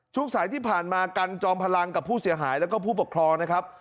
ช่วงสายที่ผ่านมากันจอมพลังกับผู้เสียหายแล้วก็ผู้ปกครองนะครับ